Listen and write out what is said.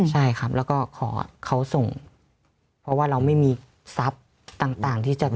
ใช่ครับแล้วก็ขอเขาส่งเพราะว่าเราไม่มีทรัพย์ต่างที่จะ